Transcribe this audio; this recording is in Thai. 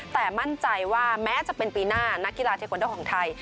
แต่มั่นใจว่าแม้จะเป็นปีหน้านักกีฬาเทควันโดของไทย